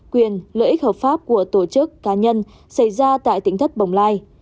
quyền lợi ích hợp pháp của tổ chức cá nhân xảy ra tại tỉnh thất bồng lai